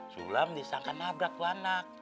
sulam disangka nabrak tu anak